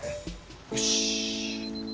よし。